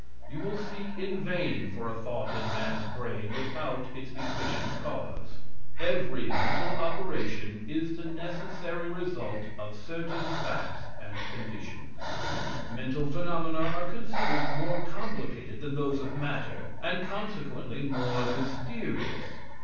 You will seek in vain for a thought in man's brain without its efficient cause. Every mental operation is the necessary result of certain facts and conditions. Mental phenomena are considered more complicated than those of matter, and consequently more mysterious.